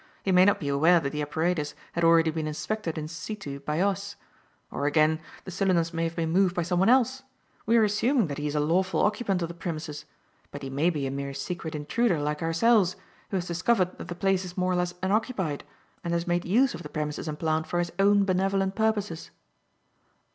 He may not be aware that the apparatus had already been inspected in situ by us. Or, again, the cylinders may have been moved by someone else. We are assuming that he is a lawful occupant of the premises; but he may be a mere secret intruder like ourselves, who has discovered that the place is more or less unoccupied and has made use of the premises and plant for his own benevolent purposes."